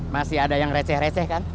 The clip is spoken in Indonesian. masih ada yang receh receh kan